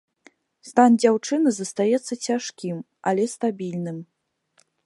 Стан дзяўчыны застаецца цяжкім, але стабільным.